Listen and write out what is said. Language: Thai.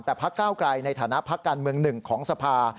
แต่พักเก้าไกลในฐานะพักการเมืองหนึ่งของสภา